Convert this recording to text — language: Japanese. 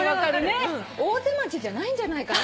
大手町じゃないんじゃないかな。